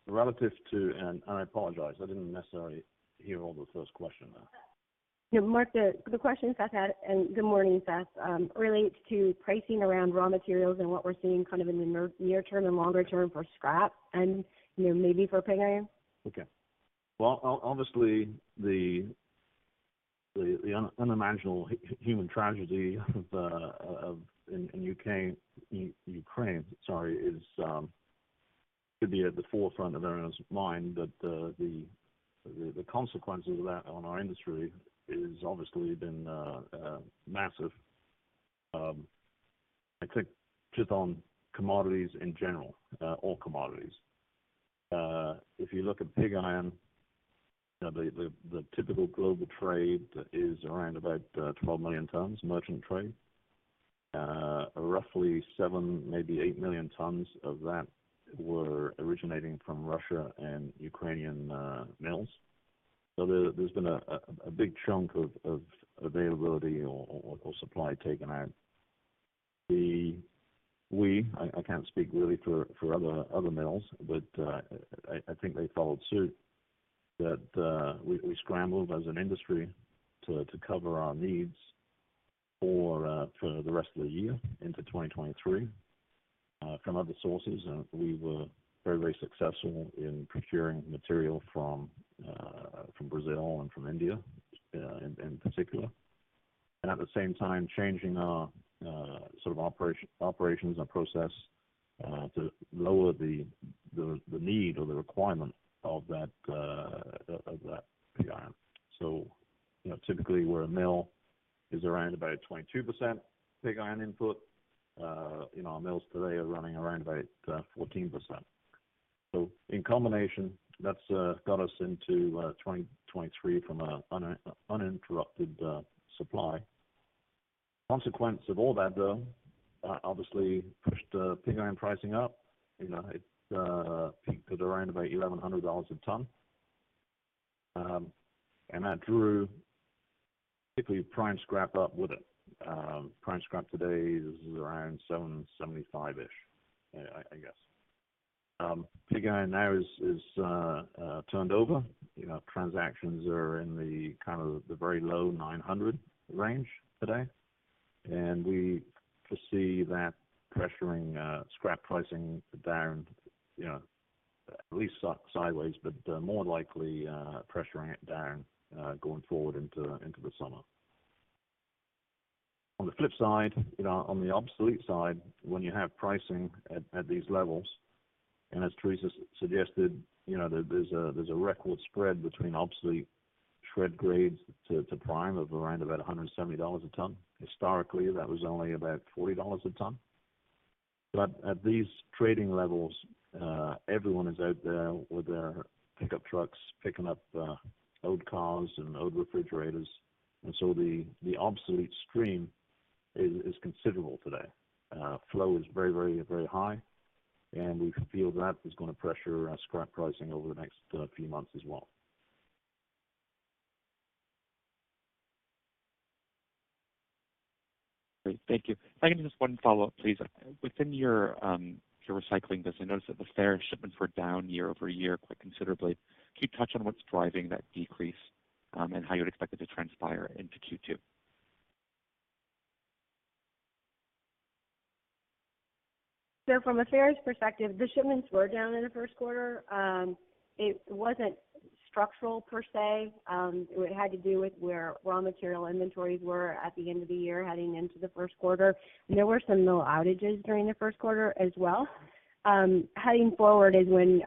Relative to, and I apologize, I didn't necessarily hear all the first question there.
Yeah. Mark, the question Seth had, and good morning, Seth, relates to pricing around raw materials and what we're seeing kind of in the near term and longer term for scrap and, you know, maybe for pig iron.
Okay. Well, obviously, the unimaginable human tragedy in Ukraine, sorry, could be at the forefront of everyone's mind, but the consequences of that on our industry has obviously been massive. I think just on commodities in general, all commodities. If you look at pig iron. Now the typical global trade is around about 12 million tons merchant trade. Roughly 7 million, maybe 8 million tons of that were originating from Russia and Ukrainian mills. So there's been a big chunk of availability or supply taken out. I can't speak really for other mills, but I think they followed suit that we scrambled as an industry to cover our needs for the rest of the year into 2023 from other sources. We were very successful in procuring material from Brazil and from India, in particular. At the same time changing our sort of operations and process to lower the need or the requirement of that pig iron. You know, typically, where a mill is around about 22% pig iron input, you know, our mills today are running around about 14%. In combination, that's got us into 2023 from an uninterrupted supply. Consequence of all that though, obviously pushed pig iron pricing up. You know, it peaked at around $1,100 a ton. And that drew particularly prime scrap up with it. Prime scrap today is around 775-ish, I guess. Pig iron now is turned over. You know, transactions are in the kind of very low 900 range today, and we foresee that pressuring scrap pricing down, you know, at least sideways, but more likely pressuring it down going forward into the summer. On the flip side, you know, on the obsolete side, when you have pricing at these levels, and as Theresa suggested, you know, there's a record spread between obsolete shred grades to prime of around 170 dollars a ton. Historically, that was only about $40 a ton. At these trading levels, everyone is out there with their pickup trucks, picking up old cars and old refrigerators. The obsolete stream is considerable today. Flow is very high, and we feel that is gonna pressure scrap pricing over the next few months as well.
Great. Thank you. If I can just one follow-up, please. Within your recycling business, I noticed that the ferrous shipments were down year-over-year quite considerably. Can you touch on what's driving that decrease, and how you'd expect it to transpire into Q2?
From a ferrous perspective, the shipments were down in the Q1. It wasn't structural per se. It had to do with where raw material inventories were at the end of the year heading into the Q1. There were some mill outages during the Q1 as well. Heading forward is when,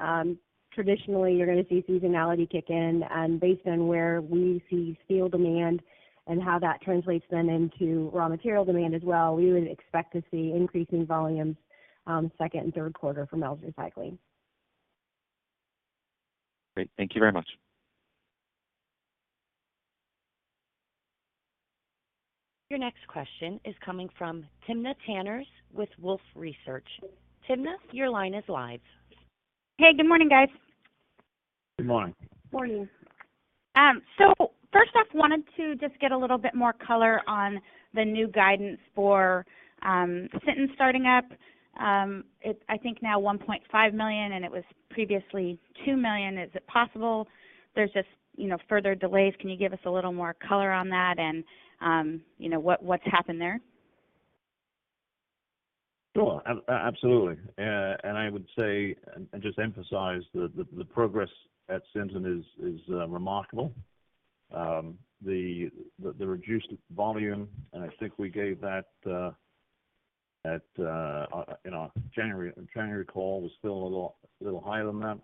traditionally you're gonna see seasonality kick in, and based on where we see steel demand and how that translates then into raw material demand as well, we would expect to see increasing volumes, Q2 and Q3 for mills recycling.
Great. Thank you very much.
Your next question is coming from Timna Tanners with Wolfe Research. Timna, your line is live.
Hey, good morning, guys.
Good morning.
Morning.
First off, wanted to just get a little bit more color on the new guidance for Sinton starting up. I think now 1.5 million, and it was previously 2 million. Is it possible there's just, you know, further delays? Can you give us a little more color on that and, you know, what's happened there?
Sure. Absolutely. I would say just emphasize the progress at Sinton is remarkable. The reduced volume, and I think we gave that in our January call, was still a little higher than that.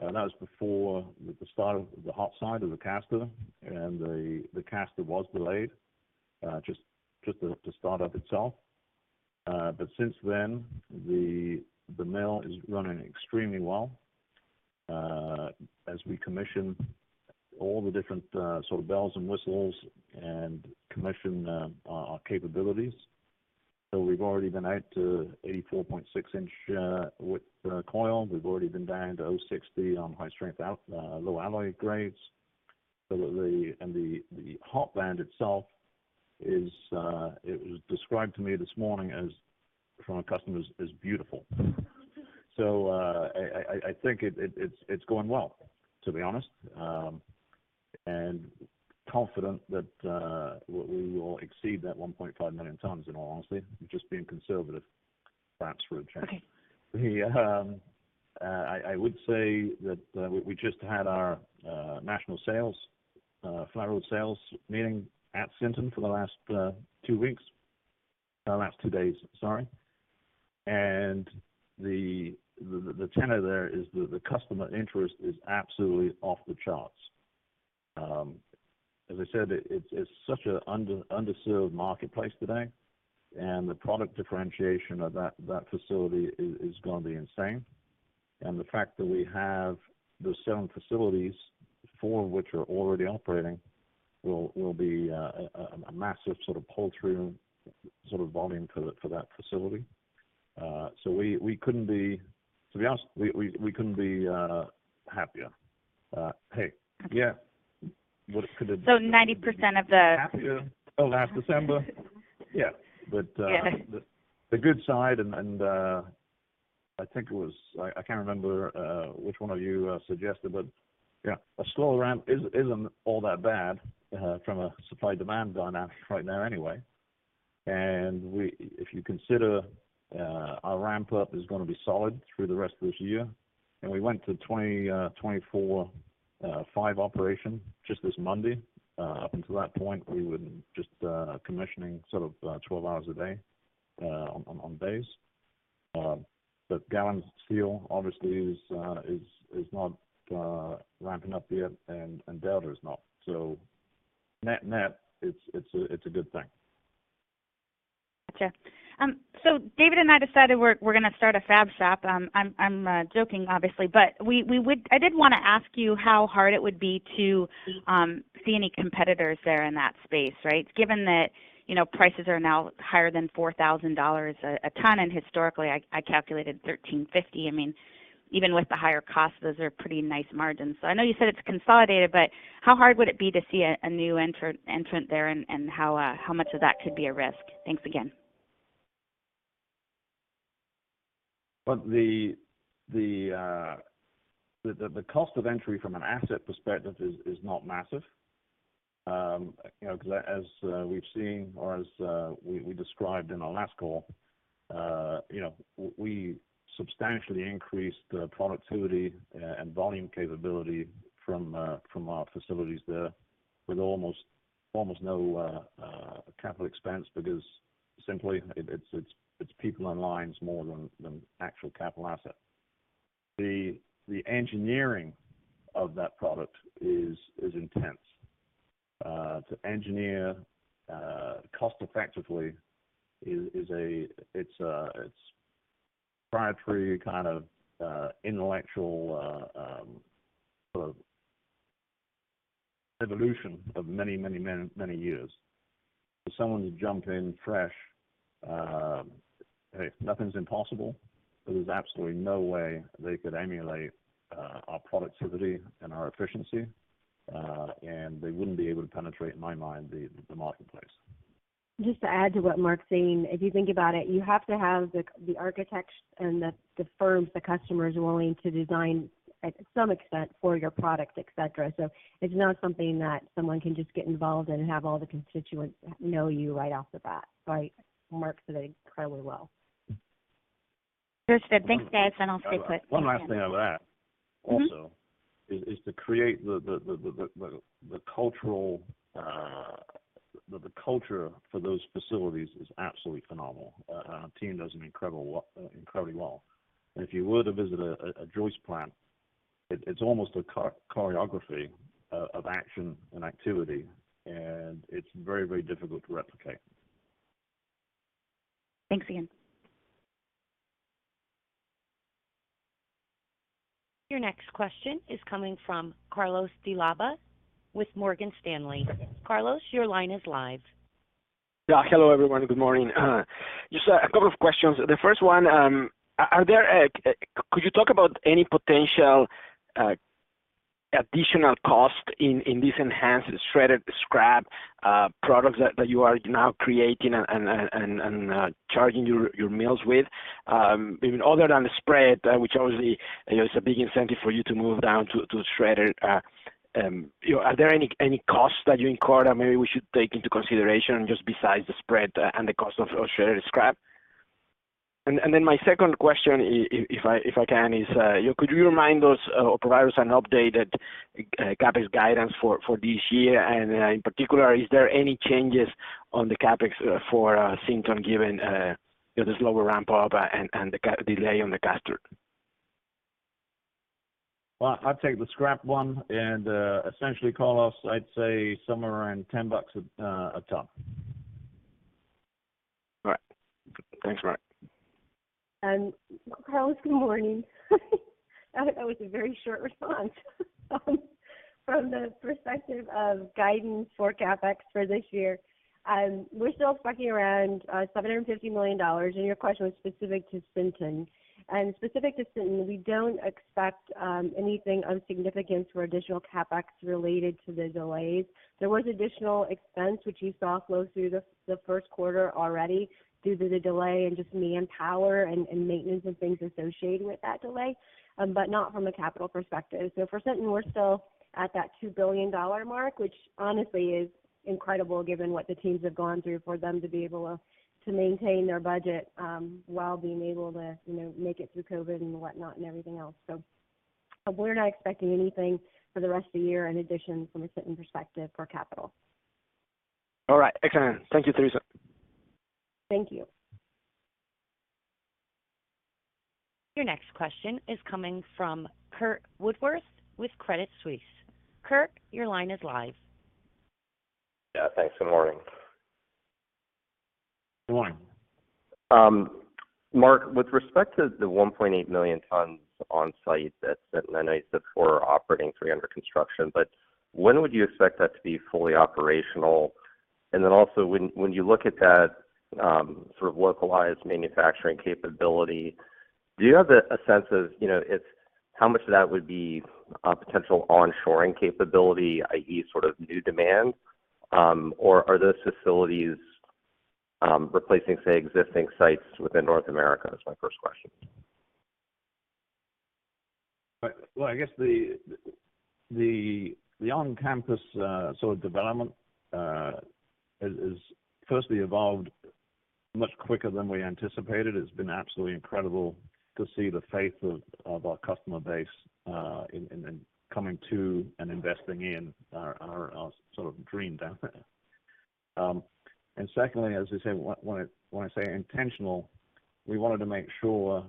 That was before the start of the hot side of the caster. The caster was delayed just the start of itself. Since then, the mill is running extremely well as we commission all the different sort of bells and whistles and commission capabilities. We've already been out to 84.6-inch width coil. We've already been down to 0.060 on high-strength low-alloy grades. The hot band itself was described to me this morning as beautiful from our customers. I think it's going well, to be honest. I am confident that we will exceed that 1.5 million tons, in all honesty. We're just being conservative, perhaps for a change.
Okay.
I would say that we just had our national sales flat-rolled sales meeting at Sinton for the last two weeks. The last two days, sorry. The tenor there is the customer interest is absolutely off the charts. As I said, it's such a underserved marketplace today, and the product differentiation of that facility is gonna be insane. The fact that we have those seven facilities, four of which are already operating, will be a massive sort of pull-through sort of volume for that facility. To be honest, we couldn't be happier. Hey, yeah, what could-
So 90% of the-
Happier than last December. Yeah.
Yeah
The good side and I think it was. I can't remember which one of you suggested, but yeah, a slow ramp isn't all that bad from a supply demand dynamic right now anyway. If you consider, our ramp up is gonna be solid through the rest of this year. We went to 24/5 operation just this Monday. Up until that point, we were just commissioning sort of 12 hours a day on days. But Gallatin Steel obviously is not ramping up yet, and Delta is not. Net, it's a good thing.
Gotcha. So David and I decided we're gonna start a fab shop. I'm joking obviously, but I did want to ask you how hard it would be to see any competitors there in that space, right? Given that, you know, prices are now higher than $4,000 a ton, and historically I calculated $1,350. I mean, even with the higher costs, those are pretty nice margins. I know you said it's consolidated, but how hard would it be to see a new entrant there and how much of that could be a risk? Thanks again.
The cost of entry from an asset perspective is not massive. You know, 'cause as we've seen or as we described in our last call, you know, we substantially increased the productivity and volume capability from our facilities there with almost no capital expense because simply it's people and lines more than actual capital asset. The engineering of that product is intense. To engineer cost effectively is it's proprietary kind of intellectual sort of evolution of many years. For someone to jump in fresh, hey, nothing's impossible, but there's absolutely no way they could emulate our productivity and our efficiency, and they wouldn't be able to penetrate, in my mind, the marketplace.
Just to add to what Mark's saying, if you think about it, you have to have the architects and the firms, the customers willing to design to some extent for your product, et cetera. It's not something that someone can just get involved and have all the constituents know you right off the bat. Mark said it incredibly well.
Understood. Thanks, guys. I'll stay put.
One last thing I would add also.
Mm-hmm
is to create the culture for those facilities is absolutely phenomenal. Our team does incredibly well. If you were to visit a joist plant, it's almost a choreography of action and activity, and it's very difficult to replicate.
Thanks again.
Your next question is coming from Carlos de Alba with Morgan Stanley. Carlos, your line is live.
Yeah. Hello, everyone. Good morning. Just a couple of questions. The first one, could you talk about any potential additional cost in this enhanced shredded scrap products that you are now creating and charging your mills with? I mean, other than the spread, which obviously is a big incentive for you to move down to shredded. You know, are there any costs that you incur that maybe we should take into consideration just besides the spread and the cost of shredded scrap? Then my second question, if I can, is you know, could you remind us or provide us an updated CapEx guidance for this year? In particular, is there any changes on the CapEx for Sinton, given, you know, the slower ramp up and the delay on the caster?
Well, I'll take the scrap one. Essentially, Carlos, I'd say somewhere around $10 a ton.
All right. Thanks, Mark.
Carlos, good morning. That was a very short response. From the perspective of guidance for CapEx for this year, we're still fucking around $750 million, and your question was specific to Sinton. Specific to Sinton, we don't expect anything of significance for additional CapEx related to the delays. There was additional expense which you saw flow through the Q1 already due to the delay and just manpower and maintenance and things associated with that delay, but not from a capital perspective. For Sinton, we're still at that $2 billion mark, which honestly is incredible given what the teams have gone through, for them to be able to maintain their budget while being able to, you know, make it through COVID and whatnot and everything else. We're not expecting anything for the rest of the year in addition from a Sinton perspective for capital.
All right. Excellent. Thank you, Theresa.
Thank you.
Your next question is coming from Curt Woodworth with Credit Suisse. Curt, your line is live.
Yeah, thanks. Good morning.
Good morning.
Mark, with respect to the 1.8 million tons on site that's sitting there, nice that four are operating, three under construction. When would you expect that to be fully operational? When you look at that sort of localized manufacturing capability, do you have a sense of, you know, if how much of that would be potential onshoring capability, i.e., sort of new demand, or are those facilities replacing, say, existing sites within North America? Is my first question.
Well, I guess the on-campus sort of development is firstly evolved much quicker than we anticipated. It's been absolutely incredible to see the faith of our customer base in coming to and investing in our sort of dream down there. Secondly, as I say, when I say intentional, we wanted to make sure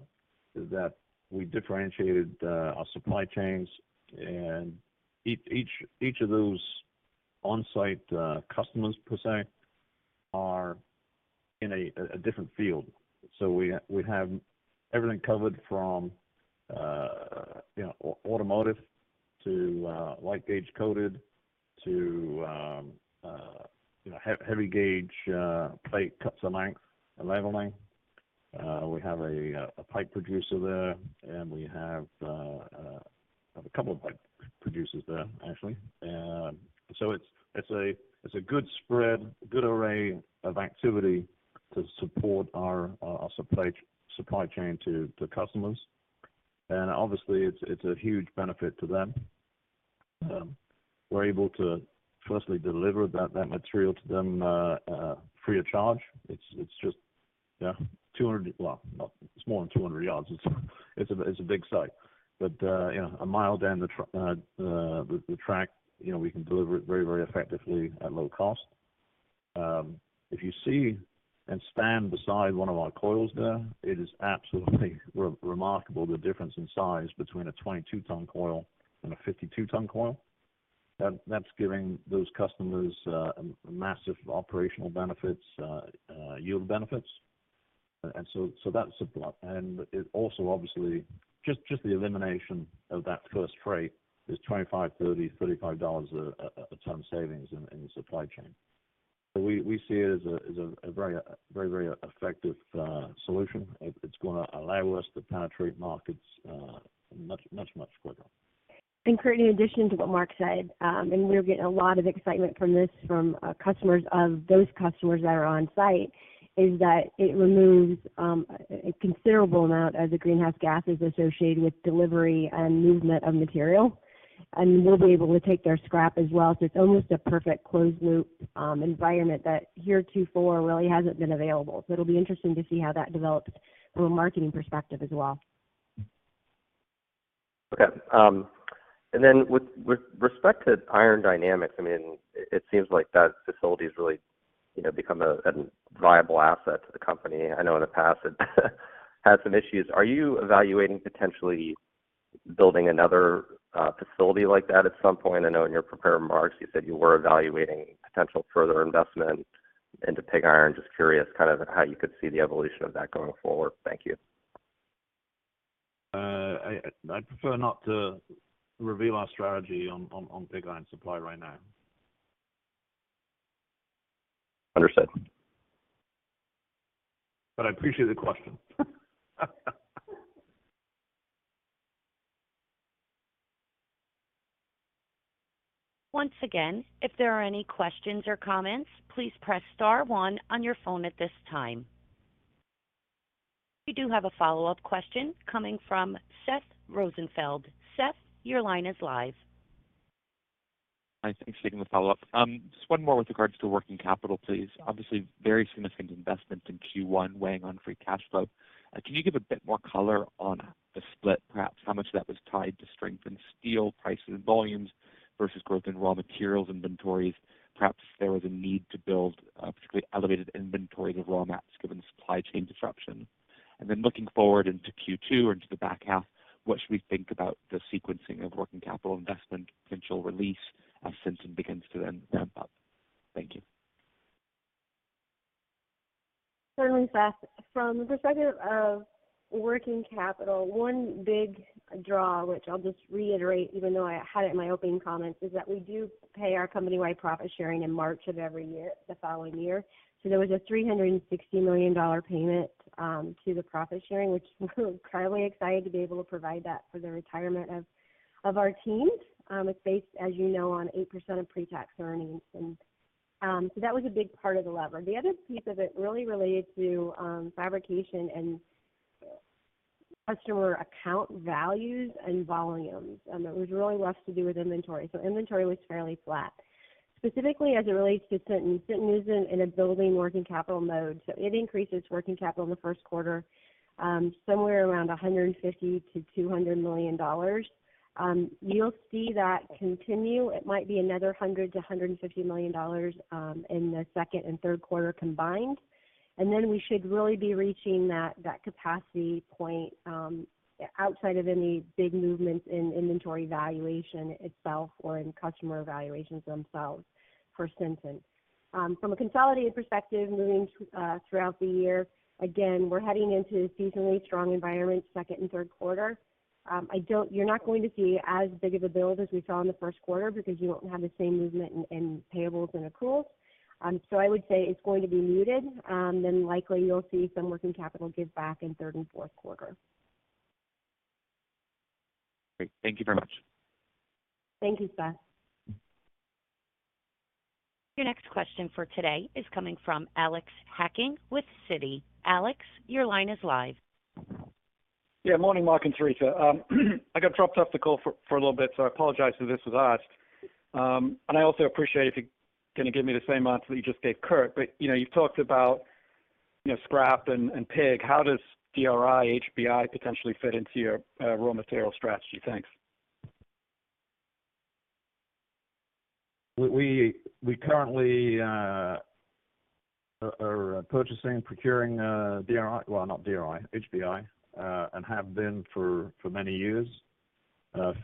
that we differentiated our supply chains and each of those on-site customers per se are in a different field. We have everything covered from, you know, automotive to light gauge coated to, you know, heavy gauge plate cuts in length and leveling. We have a pipe producer there, and we have a couple of pipe producers there actually. It's a good spread, good array of activity to support our supply chain to customers. It's a huge benefit to them. We're able to firstly deliver that material to them free of charge. It's just, yeah, 200, well, it's more than 200 yards. It's a big site. You know, a mile down the track, you know, we can deliver it very effectively at low cost. If you see and stand beside one of our coils there, it is absolutely remarkable the difference in size between a 22-ton coil and a 52-ton coil. That's giving those customers massive operational benefits, yield benefits. That's the plot. It also obviously just the elimination of that first freight is $25-$35 a ton savings in the supply chain. We see it as a very effective solution. It's gonna allow us to penetrate markets much quicker.
Curt, in addition to what Mark said, and we're getting a lot of excitement from this from customers of those customers that are on site, is that it removes a considerable amount of the greenhouse gases associated with delivery and movement of material. We'll be able to take their scrap as well. It's almost a perfect closed loop environment that heretofore really hasn't been available. It'll be interesting to see how that develops from a marketing perspective as well.
Okay. And then with respect to Iron Dynamics, I mean, it seems like that facility has really become a viable asset to the company. I know in the past it had some issues. Are you evaluating potentially building another facility like that at some point? I know in your prepared remarks you said you were evaluating potential further investment into pig iron. Just curious kind of how you could see the evolution of that going forward. Thank you.
I'd prefer not to reveal our strategy on pig iron supply right now.
Understood.
I appreciate the question.
Once again, if there are any questions or comments, please press star one on your phone at this time. We do have a follow-up question coming from Seth Rosenfeld. Seth, your line is live.
Hi. Thanks for taking the follow-up. Just one more with regards to working capital, please. Obviously, very significant investments in Q1 weighing on free cash flow. Can you give a bit more color on the split, perhaps how much of that was tied to strength in steel prices, volumes versus growth in raw materials inventories? Perhaps if there was a need to build particularly elevated inventories of raw mats given supply chain disruption. Then looking forward into Q2 or into the back half, what should we think about the sequencing of working capital investment, potential release as sentiment begins to then ramp up? Thank you.
Certainly, Seth. From the perspective of working capital, one big draw, which I'll just reiterate, even though I had it in my opening comments, is that we do pay our company-wide profit sharing in March of every year, the following year. There was a $360 million payment to the profit sharing, which we're incredibly excited to be able to provide that for the retirement of our teams. It's based, as you know, on 8% of pre-tax earnings. That was a big part of the lever. The other piece of it really related to fabrication and customer account values and volumes. It was really less to do with inventory. Inventory was fairly flat. Specifically as it relates to Sinton. Sinton is in a building working capital mode, so it increases working capital in the Q1, somewhere around $150 million-$200 million. You'll see that continue. It might be another $100 million-$150 million in the second and Q3 combined, and then we should really be reaching that capacity point, outside of any big movements in inventory valuation itself or in customer valuations themselves for Sinton. From a consolidated perspective, moving throughout the year, again, we're heading into seasonally strong environments, second and Q3. You're not going to see as big of a build as we saw in the Q1 because you won't have the same movement in payables and accruals. I would say it's going to be muted, then likely you'll see some working capital give back in third and Q4.
Great. Thank you very much.
Thank you, Seth Rosenfeld.
Your next question for today is coming from Alexander Hacking with Citi. Alex, your line is live.
Yeah, morning, Mark and Theresa. I got dropped off the call for a little bit, so I apologize if this was asked. I also appreciate if you're gonna give me the same answer that you just gave Curt, but you know, you've talked about, you know, scrap and pig. How does DRI, HBI potentially fit into your raw material strategy? Thanks.
We currently are procuring HBI and have been for many years.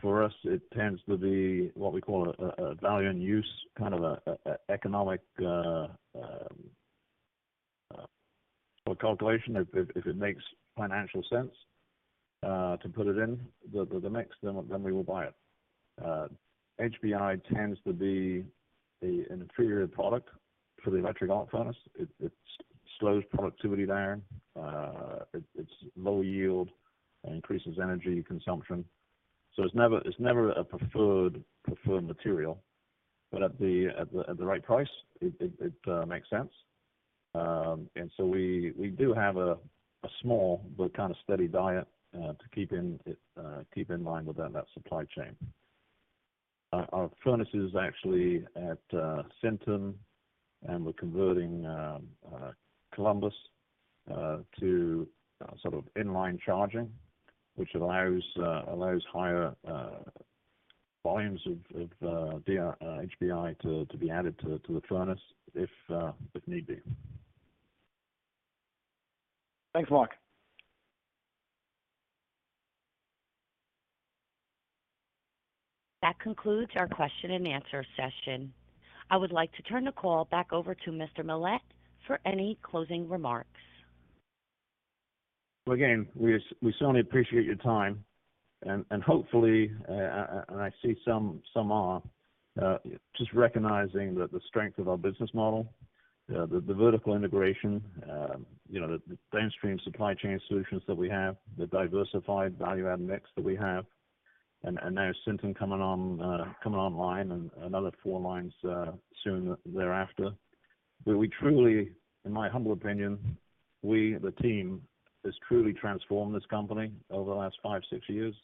For us, it tends to be what we call a value and use kind of a economic well calculation. If it makes financial sense to put it in the mix, then we will buy it. HBI tends to be an inferior product for the electric arc furnace. It slows productivity there. It is low yield and increases energy consumption. So it is never a preferred material, but at the right price, it makes sense. We do have a small but kind of steady diet to keep in line within that supply chain. Our furnaces are actually at Sinton, and we're converting Columbus to sort of inline charging, which allows higher volumes of DRI, HBI to be added to the furnace if need be.
Thanks, Mark.
That concludes our question and answer session. I would like to turn the call back over to Mr. Millett for any closing remarks.
Well, again, we certainly appreciate your time and hopefully, and I see some are just recognizing that the strength of our business model, the vertical integration, you know, the downstream supply chain solutions that we have, the diversified value add mix that we have, and now Sinton coming on, coming online and another four lines soon thereafter. We truly, in my humble opinion, we, the team, has truly transformed this company over the last five, six years.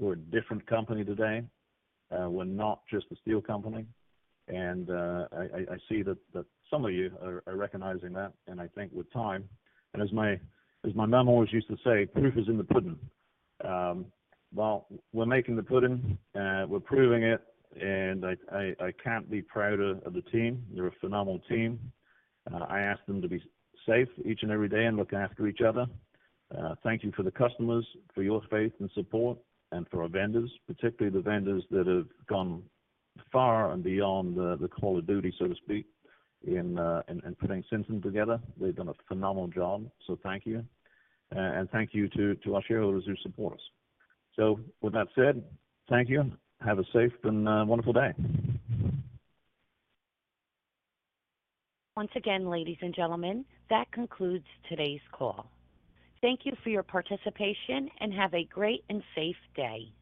We're a different company today. We're not just a steel company. I see that some of you are recognizing that. I think with time, and as my mom always used to say, "Proof is in the pudding." Well, we're making the pudding, we're proving it, and I can't be prouder of the team. They're a phenomenal team. I ask them to be safe each and every day and look after each other. Thank you for the customers, for your faith and support, and for our vendors, particularly the vendors that have gone far and beyond the call of duty, so to speak, in putting Sinton together. They've done a phenomenal job. Thank you. Thank you to our shareholders who support us. With that said, thank you. Have a safe and wonderful day.
Once again, ladies and gentlemen, that concludes today's call. Thank you for your participation, and have a great and safe day.